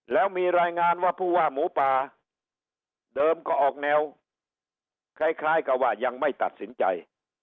แล้วมีรายงานว่าผู้ว่าหมูป่าเดิมก็ออกแนวคล้ายกับว่ายังไม่ตัดสินใจ